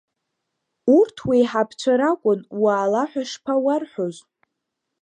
Урҭ уеиҳабацәа ракәын, уаала ҳәа шԥауарҳәоз!